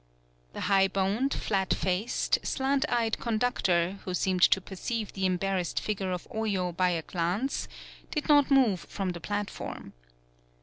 The high boned, flat faced, slant 81 PAULOWNIA eyed conductor, who seemed to perceive the embarrassed figure of Oyo by a glance, did not move from the plat form.